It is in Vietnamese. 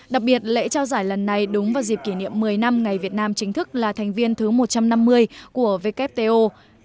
đặc biệt lễ trao giải lần này đúng vào dịp kỷ niệm một mươi năm ngày việt nam chính thức là thành viên thứ một trăm năm mươi của wto hai nghìn bảy hai nghìn một mươi bảy